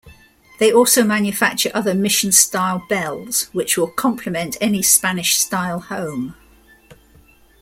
They also manufacture other Mission Style Bells which will compliment any Spanish style home.